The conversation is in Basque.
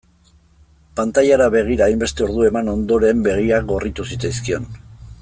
Pantailara begira hainbeste ordu eman ondoren begiak gorritu zitzaizkion.